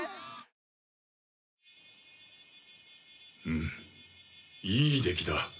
うんいい出来だ。